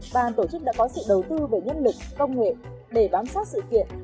bàn tổ chức đã có sự đầu tư về nhân lực công nghệ để bám sát sự kiện